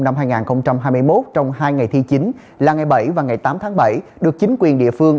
năm hai nghìn hai mươi một trong hai ngày thi chính là ngày bảy và ngày tám tháng bảy được chính quyền địa phương